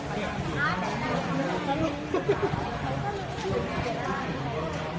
สวัสดีครับทุกคน